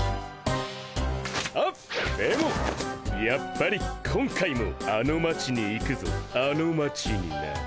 あっでもやっぱり今回もあの町に行くぞあの町にな。